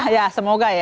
ya semoga ya